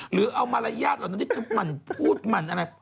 หรือเอามารยาทเหล่านั้นที่จะหมั่นพูดหมั่นอะไร